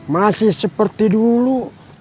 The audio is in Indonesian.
masih seperti dulu